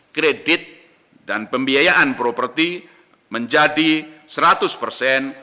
kredit dan pembiayaan properti menjadi seratus persen